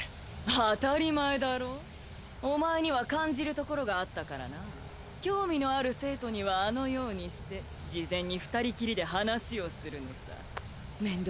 当たり前だろうお前には感じるところがあったからな興味のある生徒にはあのようにして事前に二人きりで話をするのさ面倒